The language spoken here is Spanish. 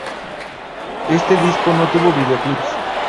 Este disco no tuvo videoclips.